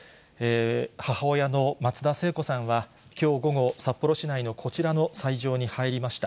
母親の松田聖子さんは、きょう午後、札幌市内のこちらの斎場に入りました。